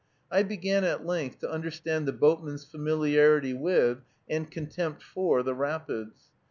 I began, at length, to understand the boatman's familiarity with, and contempt for, the rapids.